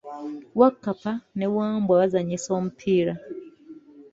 Wakkapa ne Wambwa bazanyisa omupiira.